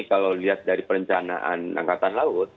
kalau dilihat dari perencanaan angkatan laut